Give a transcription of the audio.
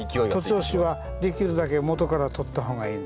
徒長枝はできるだけ元から取った方がいいんです。